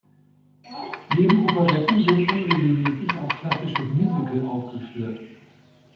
Neben Operetten wird unregelmäßig auch klassisches Musical aufgeführt.